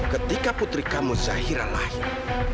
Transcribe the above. ketika putri kamu zahira lahir